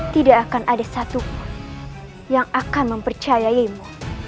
tidak akan ada satupun yang akan mempercayaimu